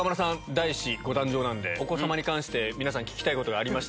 第１子ご誕生なんでお子様に関して皆さん聞きたいことがありましたら。